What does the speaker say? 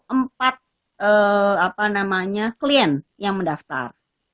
ee apa namanya klien yang mendaftar